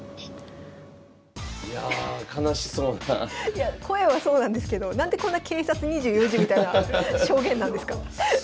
いや声はそうなんですけど何でこんな「警察２４時」みたいな証言なんですか？